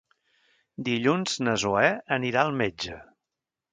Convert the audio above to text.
Dilluns na Zoè anirà al metge.